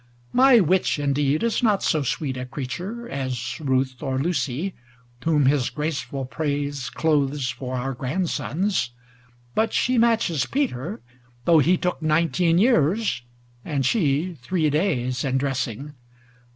My Witch indeed is not so sweet a creature As Ruth or Lucy, whom his graceful praise Clothes for our grandsons ŌĆö but she matches Peter, Though he took nineteen years, and she three days, In dressing.